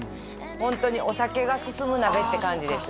ホントにお酒が進む鍋って感じです